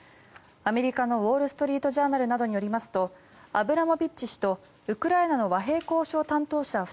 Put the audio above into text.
アメリカのウォール・ストリート・ジャーナルなどによりますとアブラモビッチ氏とウクライナの和平交渉担当者